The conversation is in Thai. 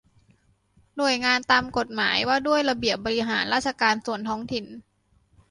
หน่วยงานตามกฎหมายว่าด้วยระเบียบบริหารราชการส่วนท้องถิ่น